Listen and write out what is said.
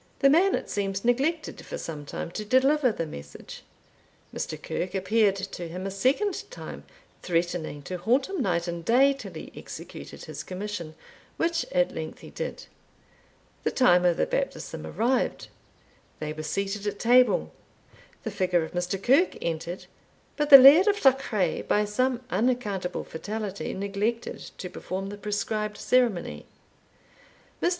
The man, it seems, neglected, for some time, to deliver the message. Mr. Kirke appeared to him a second time, threatening to haunt him night and day till he executed his commission, which at length he did. The time of the baptism arrived. They were seated at table; the figure of Mr. Kirke entered, but the Laird of Duchray, by some unaccountable fatality, neglected to perform the prescribed ceremony. Mr.